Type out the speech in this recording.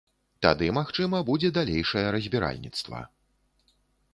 Тады, магчыма, будзе далейшае разбіральніцтва.